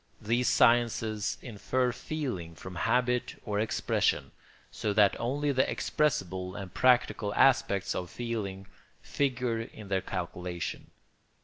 These sciences infer feeling from habit or expression; so that only the expressible and practical aspects of feeling figure in their calculation.